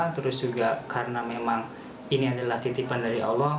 terus juga karena memang ini adalah titipan dari allah